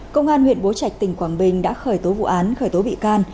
công an huyện bố trạch tỉnh quảng bình đã khởi tố vụ án khởi tố bị can